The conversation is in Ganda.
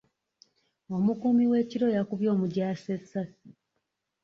Omukuumi w'ekiro yakubye omujaasi essaasi.